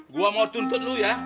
gua mau tuntut lo ya